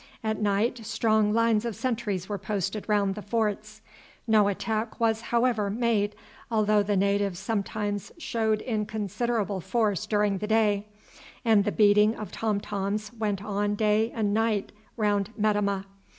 At night strong lines of sentries were posted round the forts. No attack was, however, made, although the natives sometimes showed in considerable force during the day, and the beating of tom toms went on day and night round Metemmeh.